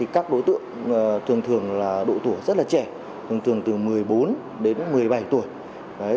các đối tượng thường thường độ tuổi rất là trẻ thường thường từ một mươi bốn đến một mươi bảy tuổi